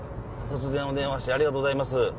突然お電話してありがとうございます。